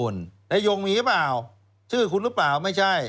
นายงมีหรือเปล่าชื่อคุณหรือเปล่าไม่ใช่